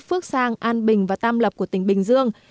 phước sang an bình và tam lập của tỉnh bình dương